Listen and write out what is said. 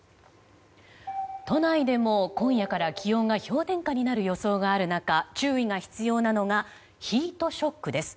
都内でも今夜から気温が氷点下になる予想がある中注意が必要なのがヒートショックです。